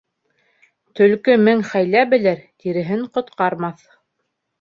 Төлкө мең хәйлә белер, тиреһен ҡотҡармаҫ.